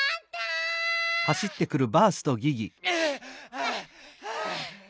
はあはあ。